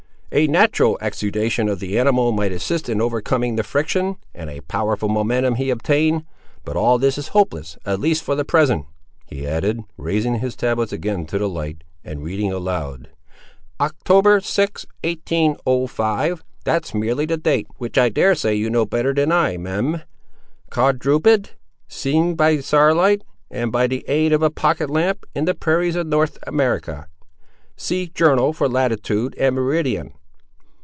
A natural exudation of the animal might assist in overcoming the friction, and a powerful momentum be obtained. But all this is hopeless—at least for the present!"—he added, raising his tablets again to the light, and reading aloud; "Oct. 6, 1805. that's merely the date, which I dare say you know better than I—Mem. Quadruped; seen by star light, and by the aid of a pocket lamp, in the prairies of North America—see Journal for Latitude and Meridian.